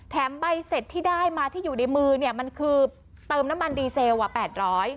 แถมใบเสร็จที่ได้มาที่อยู่ในมือมันคือเติมน้ำมันดีเซล๘๐๐บาท